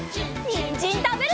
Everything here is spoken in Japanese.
にんじんたべるよ！